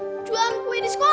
hah jualan kue di sekolah